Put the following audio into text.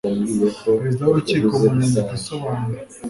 perezida w'urukiko mu nyandiko isobanura